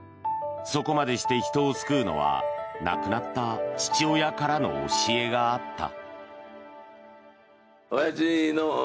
そこまでして人を救うのは亡くなった父親からの教えがあった。